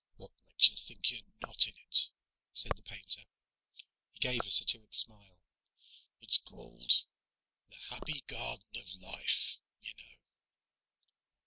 "What makes you think you're not in it?" said the painter. He gave a satiric smile. "It's called 'The Happy Garden of Life,' you know."